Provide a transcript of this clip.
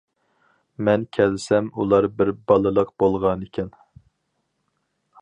مەن كەلسەم ئۇلار بىر بالىلىق بولغانىكەن.